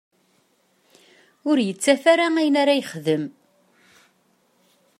Ur yettaf ara ayen ara yexdem.